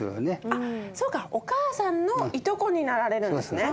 あっそうかお母さんのいとこになられるんですね。